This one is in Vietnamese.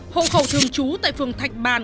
hộ khẩu thường trú tại phường thạch bàn